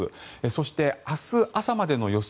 そして、明日朝までの予想